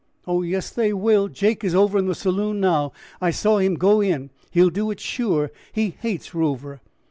"Oh, yes, they will. Jake is over in the saloon now; I saw him go in. He'll do it sure; he hates Rover."